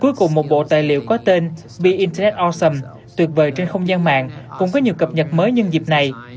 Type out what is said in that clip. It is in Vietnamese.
cuối cùng một bộ tài liệu có tên be internet awesome tuyệt vời trên không gian mạng cũng có nhiều cập nhật mới nhân dịp này